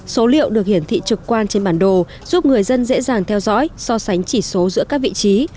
số liệu được hiển thị trực quan trên bản đồ giúp người dân dễ dàng theo dõi so sánh chỉ số giữa các vị trí